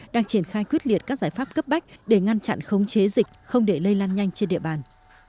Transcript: đang triển khai quyết liệt các giải pháp cấp bách để ngăn chặn khống chế dịch không để lây lan nhanh trên địa bàn